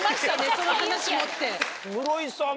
その話持って。